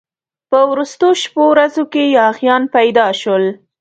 په وروستو شپو ورځو کې یاغیان پیدا شول.